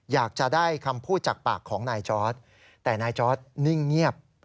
อยากจะได้คำพูดจากปากของนายจอร์ดแต่นายจอร์ดนิ่งเงียบ